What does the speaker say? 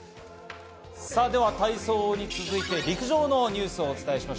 体操に続いて陸上のニュースをお伝えします。